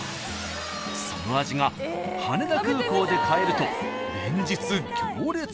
［その味が羽田空港で買えると］